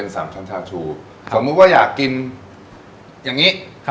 สมมุติว่าอยากกินอย่างนี้